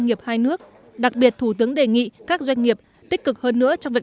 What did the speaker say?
nghiệp hai nước đặc biệt thủ tướng đề nghị các doanh nghiệp tích cực hơn nữa trong việc